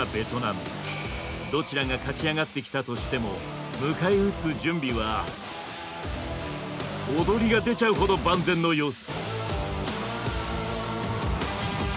どちらが勝ち上がってきたとしても迎え撃つ準備は踊りが出ちゃうほど万全の様子。